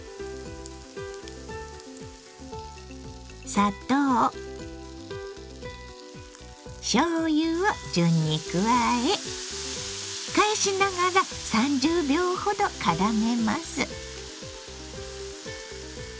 砂糖しょうゆを順に加え返しながら３０秒ほどからめます。